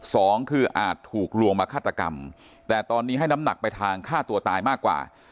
สองคืออาจถูกลวงมาฆาตกรรมแต่ตอนนี้ให้น้ำหนักไปทางฆ่าตัวตายมากกว่า